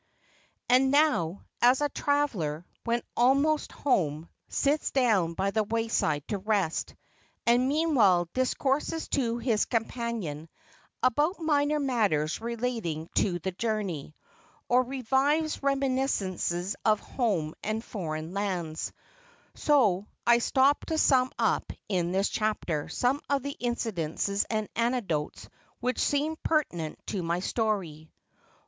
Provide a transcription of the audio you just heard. And now as a traveller, when almost home, sits down by the wayside to rest, and meanwhile discourses to his companion about minor matters relating to the journey, or revives reminiscenses of home and foreign lands, so I stop to sum up in this chapter some of the incidents and anecdotes which seem pertinent to my story.